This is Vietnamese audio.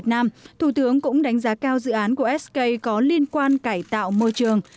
thủ tướng cũng đánh giá cao dự án của sk có liên quan cải tạo môi trường